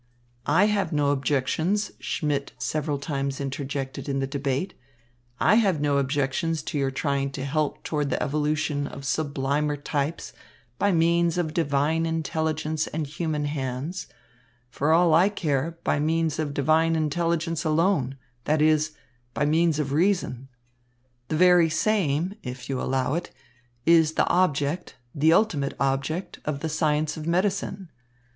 "I have no objections," Schmidt several times interjected in the debate, "I have no objections to your trying to help toward the evolution of sublimer types by means of divine intelligence and human hands; for all I care, by means of divine intelligence alone, that is, by means of reason. The very same, if you will allow it, is the object, the ultimate object, of the science of medicine.